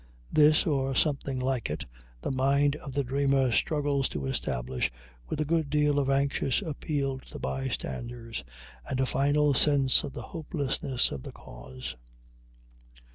This, or something like it, the mind of the dreamer struggles to establish, with a good deal of anxious appeal to the bystanders and a final sense of the hopelessness of the cause.